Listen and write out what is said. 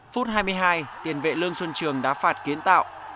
phút hai mươi hai tiền vệ lương xuân trường đã phạt kiến tạo